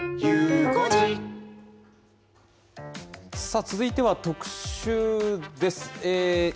さあ、続いては特集です。